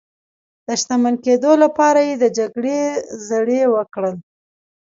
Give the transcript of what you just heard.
د شتمن کېدو لپاره یې د جګړې زړي وکرل.